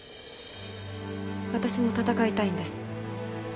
私も闘いたいんです。